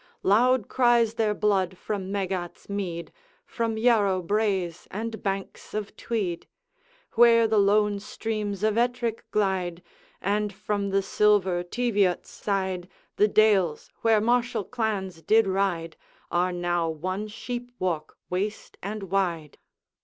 Loud cries their blood from Meggat's mead, From Yarrow braes and banks of Tweed, Where the lone streams of Ettrick glide, And from the silver Teviot's side; The dales, where martial clans did ride, Are now one sheep walk, waste and wide.